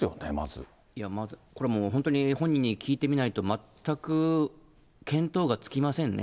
これもう、本当に本人に聞いてみないと全く見当がつきませんね。